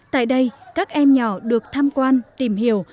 tại đây các em nhỏ được tham quan tìm hiểu